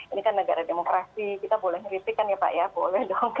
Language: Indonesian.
ini kan negara demokrasi kita boleh kritik kan ya pak ya boleh dong